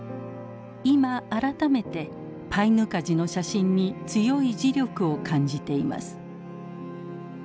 今改めて「パイヌカジ」の写真に強い磁力を感じています。